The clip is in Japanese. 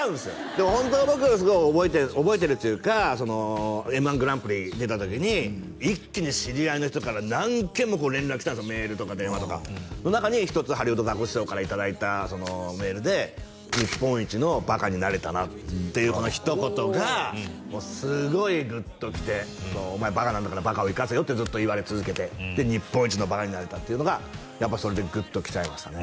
でもホントに僕すごい覚えてる覚えてるというかそのＭ−１グランプリ出た時に一気に知り合いの人から何件もこう連絡来たんですよメールとか電話とかその中に一つハリウッドザコシショウからいただいたメールでっていうこのひと言がもうすごいグッときて「お前バカなんだから」「バカを生かせよ」ってずっと言われ続けてで日本一のバカになれたっていうのがやっぱそれでグッときちゃいましたね